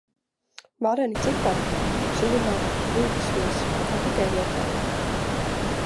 Vareni cipari! Tiks uzrunāti pat Rīgas viesi, ne tikai vietējie.